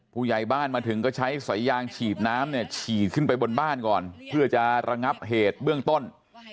ผู้ใหญ่บ้านมาถึงก็ใช้สายยางฉีดน้ำเนี่ยฉีดขึ้นไปบนบ้านก่อนเพื่อจะระงับเหตุเบื้องต้น